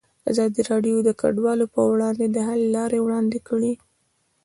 ازادي راډیو د کډوال پر وړاندې د حل لارې وړاندې کړي.